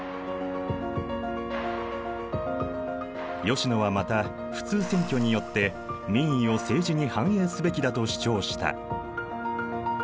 吉野はまた普通選挙によって民意を政治に反映すべきだと主張した。